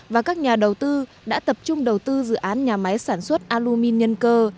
và các nhà đầu tư đã tập trung đầu tư dự án nhà máy sản xuất alumin nhân cơ